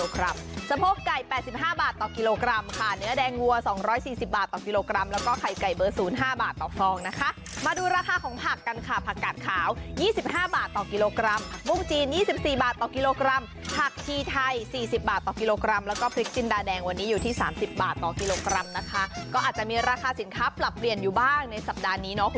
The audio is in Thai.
กรัมแล้วก็ไข่ไก่เบอร์ศูนย์ห้าบาทต่อฟองนะคะมาดูราคาของผักกันค่ะผักกาดขาวยี่สิบห้าบาทต่อกิโลกรัมผักมุ้งจีนยี่สิบสี่บาทต่อกิโลกรัมผักที่ไทยสี่สิบบาทต่อกิโลกรัมแล้วก็พริกจินดาแดงวันนี้อยู่ที่สามสิบบาทต่อกิโลกรัมนะคะก็อาจจะมีราคาสินค้าปรับเปลี่ยนอยู่บ้างในสั